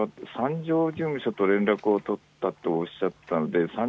じょう事務所と連絡を取ったとおっしゃっていたのでさん